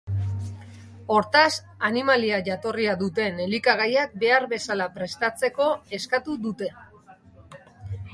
Hortaz, animalia-jatorria duten elikagaiak behar bezala prestatzeko eskatu dute.